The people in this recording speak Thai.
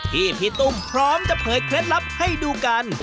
ที่พี่ตุ้มพร้อมจะเผยเคล็ดลับให้ดูกัน